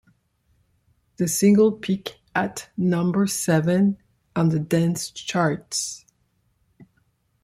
The single peaked at number seven on the dance charts.